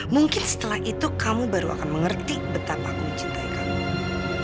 mungkin setelah itu kamu baru akan mengerti betapa aku mencintai kamu